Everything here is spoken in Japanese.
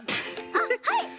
あっはい！